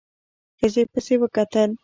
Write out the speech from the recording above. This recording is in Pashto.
ښځې پسې وکتل.